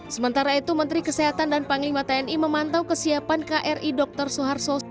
sementara itu menteri kesehatan dan panglima tni memantau kesiapan kri dr suharto